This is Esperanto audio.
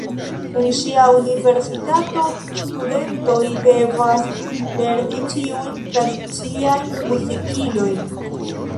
En ŝia universitato studentoj devas lerni ĉiujn tradiciajn muzikilojn.